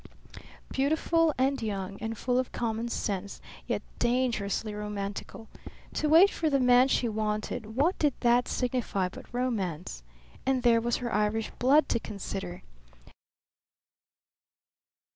Beautiful and young and full of common sense, yet dangerously romantical. To wait for the man she wanted, what did that signify but romance? And there was her Irish blood to consider.